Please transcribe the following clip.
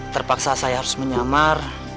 terpaksa saya harus menyamar